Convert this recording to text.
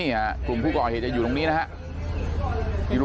หนูมหุ้งกรเลี่ยจะอยู่ตรงบิน้ำนี่นะ